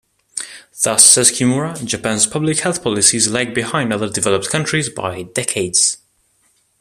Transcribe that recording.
Thus, says Kimura, Japan's public health policies lag behind other developed countries, by "decades".